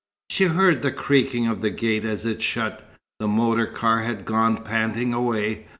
She heard the creaking of the gate as it shut. The motor car had gone panting away.